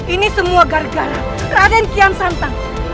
ini semua gara gara raden kian santang